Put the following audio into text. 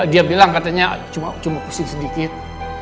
dia bilang katanya cuma pusing sedikit